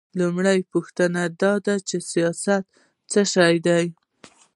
لومړۍ پوښتنه دا ده چې سیاست څه شی دی؟